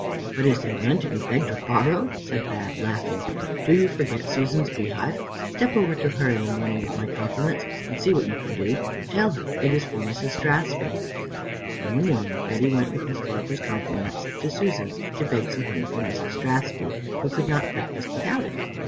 "But is there none to be begged or borrowed?" said Bab, laughing. "Do you forget Susan's beehive? Step over to her in the morning with my compliments, and see what you can do. Tell her it's for Mrs. Strathspey." In the morning Betty went with Miss Barbara's compliments to Susan, to beg some honey for Mrs. Strathspey, who could not breakfast without it.